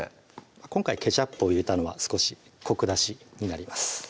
今回ケチャップを入れたのは少しコク出しになります